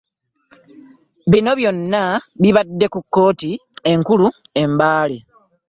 Bino byonna bibadde ku kkooti enkuli e Mbale.